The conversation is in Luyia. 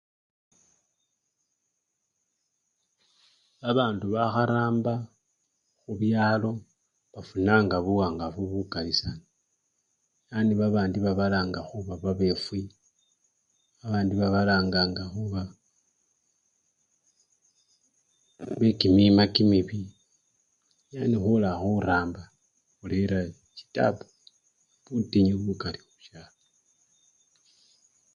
Babandu bakharamba khubyalo bafunanga buwangafu bukali sana, yani babandi babalanga khuba babefwi, babandi babalanganga khuba bekimima kimibi, yani khurakhuramba khurera chitabu, butinyu bukali khusyalo